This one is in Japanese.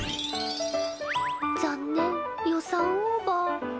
残念予算オーバー。